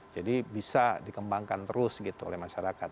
jadi bisa dikembangkan terus gitu oleh masyarakat